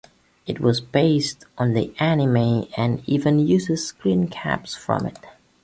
It was based on the anime and even uses screencaps from it.